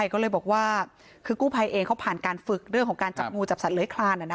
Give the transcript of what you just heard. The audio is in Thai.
ก็เลยบอกว่าคือกู้ภัยเองเขาผ่านการฝึกเรื่องของการจับงูจับสัตว์คลาน